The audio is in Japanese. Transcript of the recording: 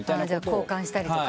交換したりとか？